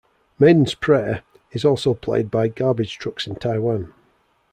"Maiden's Prayer" is also played by garbage trucks in Taiwan.